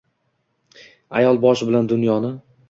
Аyol boshi bilan dunyoni